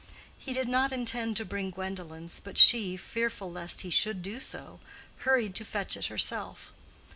He did not intend to bring Gwendolen's, but she, fearful lest he should do so, hurried to fetch it herself.